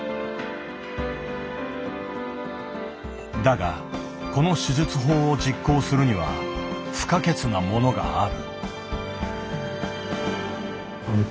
だがこの手術法を実行するには不可欠なものがある。